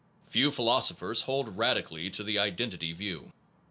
Few philosophers hold radically to the identity view.